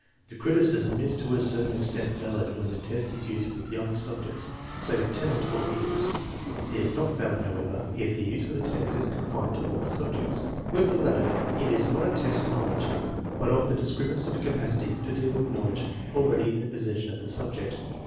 The criticism is to a certain extent valid when the test is used with young subjects, say of 10 or 1 years. It is not valid, however, if the use of the test is confined to older subjects. With the latter, it is not a test of knowledge, but of the discriminative capacity to deal with knowledge already in the possession of the subject.